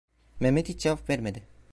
Mehmet hiç cevap vermedi.